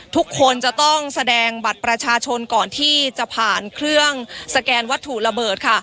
ทุกคนจะต้องแสดงบัตรประชาชนก่อนที่จะผ่านเครื่องสแกนวัตถุระเบิดค่ะ